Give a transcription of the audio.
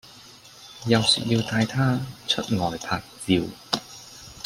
又說要帶她出外拍照